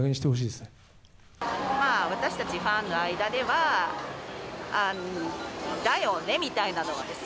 私たちファンの間では、ああ、だよねみたいなのはです。